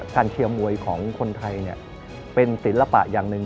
เชียร์มวยของคนไทยเป็นศิลปะอย่างหนึ่ง